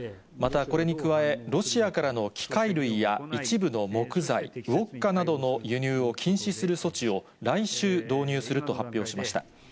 またこれに加え、ロシアからの機械類や一部の木材、ウオッカなどの輸入を禁止する措置を、来週導入すると発表しました。